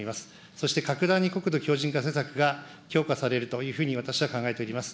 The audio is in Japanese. そして、格段に国土強じん化施策がされるというふうに私は考えております。